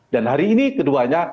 dan hari ini keduanya